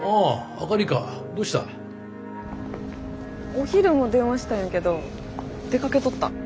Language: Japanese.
お昼も電話したんやけど出かけとった？